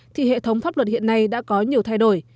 thì hệ thống pháp luật hiện nay đã có nhiều thay đổi